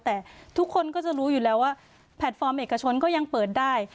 แต่ทุกคนก็จะรู้อยู่แล้วว่าแพลตฟอร์มเอกชนก็ยังเปิดได้